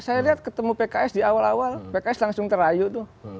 saya lihat ketemu pks di awal awal pks langsung terayu tuh